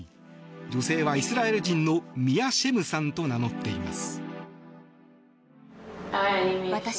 女性はイスラエル人のミア・シェムさんと名乗っています。